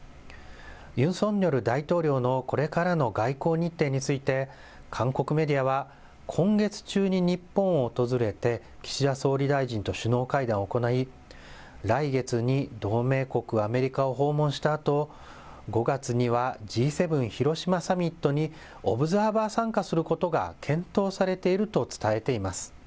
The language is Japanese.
ユン・ソンニョル大統領のこれからの外交日程について、韓国メディアは、今月中に日本を訪れて、岸田総理大臣と首脳会談を行い、来月に同盟国アメリカを訪問したあと、５月にはＧ７広島サミットに、オブザーバー参加することが検討されていると伝えています。